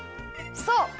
そう。